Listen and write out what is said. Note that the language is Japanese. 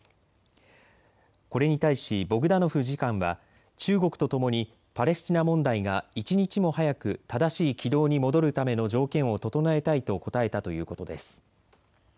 これに対しボグダノフ次官は中国とともにパレスチナ問題が一日も早く正しい軌道に戻るための条件を整えたいと応えたということです。